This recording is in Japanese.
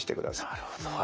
なるほど。